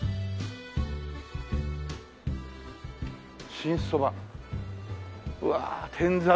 「新そば」うわ「天ざる」。